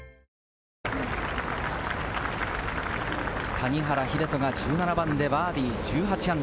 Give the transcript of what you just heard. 谷原秀人が１７番でバーディー、−１８。